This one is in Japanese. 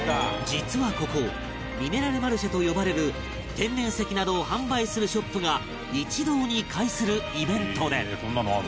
実はここミネラルマルシェと呼ばれる天然石などを販売するショップが一堂に会するイベントで